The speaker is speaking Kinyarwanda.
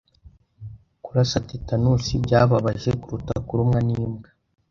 Kurasa tetanusi byababaje kuruta kurumwa n'imbwa.